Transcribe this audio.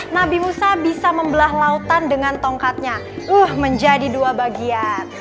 nabi musa bisa membelah lautan dengan tongkatnya uh menjadi dua bagian